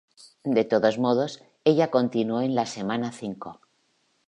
De todos modos, ella continuó en la semana cinco.